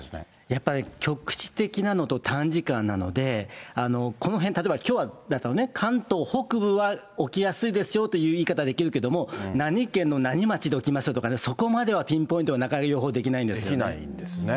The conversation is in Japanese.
やっぱね、局地的なのと短時間なので、この辺、例えばきょうだとね、関東北部は起きやすいですよという言い方はできるけれども、何県の何町で起きますよとか、そこまではピンポイントはなかなか予報できないんですよね。